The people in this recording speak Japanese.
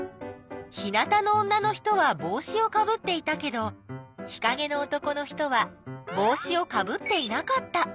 日なたの女の人はぼうしをかぶっていたけど日かげの男の人はぼうしをかぶっていなかった。